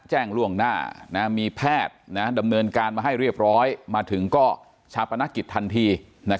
ล่วงหน้ามีแพทย์ดำเนินการมาให้เรียบร้อยมาถึงก็ชาปนกิจทันที